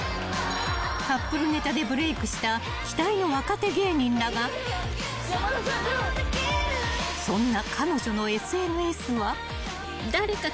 ［カップルネタでブレークした期待の若手芸人だがそんな］